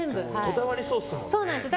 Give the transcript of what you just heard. こだわりそうですもんね。